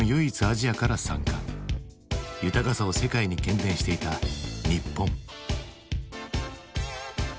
豊かさを世界に喧伝していた日本。